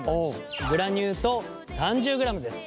グラニュー糖３０ｇです。